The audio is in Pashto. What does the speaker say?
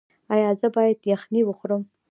ایا زه باید یخني وخورم؟